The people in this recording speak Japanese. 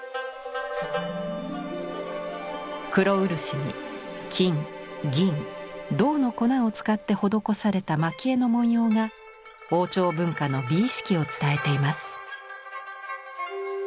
黒漆に金銀銅の粉を使って施された蒔絵の文様が王朝文化の美意識を伝えています。